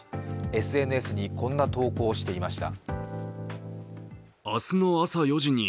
ＳＮＳにこんな投稿をしていました。